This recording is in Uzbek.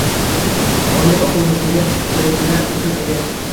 Oliy oʻquv yurtiga kiruvchilar uchun edi.